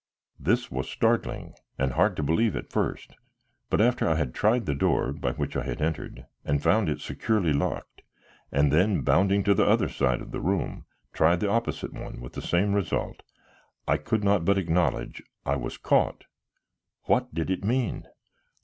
This was startling, and hard to believe at first, but after I had tried the door by which I had entered and found it securely locked, and then bounding to the other side of the room, tried the opposite one with the same result, I could not but acknowledge I was caught. What did it mean?